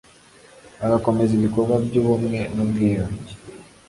bagamokeza ibikorwa by’ubumwe n’ubwiyunge